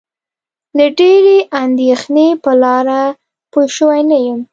له ډېرې اندېښنې په لاره پوی شوی نه یم.